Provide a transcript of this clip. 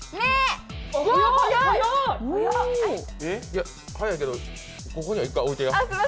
いや、早いけどここには１回置いてな。